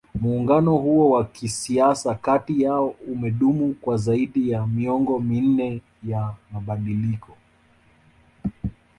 Muungano huo wa kisiasa kati yao umedumu kwa zaidi ya miongo minne ya mabadiliko